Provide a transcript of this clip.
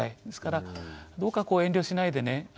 ですからどうか遠慮しないでね